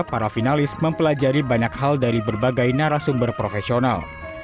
para finalis mempelajari banyak hal dari berbagai narasumber profesional